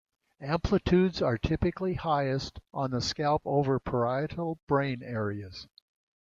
Amplitudes are typically highest on the scalp over parietal brain areas.